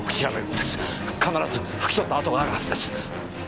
必ずふき取った跡があるはずです！